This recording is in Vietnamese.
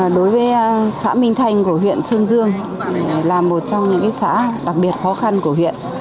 đối với xã minh thanh của huyện sơn dương là một trong những xã đặc biệt khó khăn của huyện